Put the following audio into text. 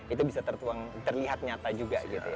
itu bisa tertuang terlihat nyata juga gitu ya